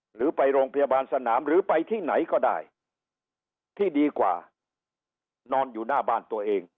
หรือไปโรงพยาบาลสนามหรือไปที่ไหนก็ได้ที่ดีกว่านอนอยู่หน้าบ้านตัวเอง